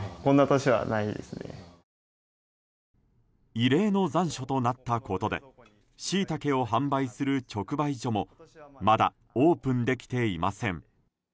異例の残暑となったことでシイタケを販売する直売所もまだオープンできていません。